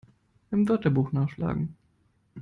Im Wörterbuch nachschlagen!